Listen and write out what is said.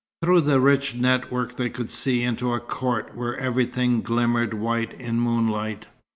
Through the rich network they could see into a court where everything glimmered white in moonlight.